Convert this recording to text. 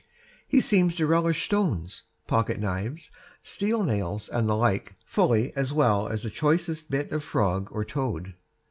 He seems to relish stones, pocket knives, steel nails and the like fully as well as the choicest bit of frog or toad.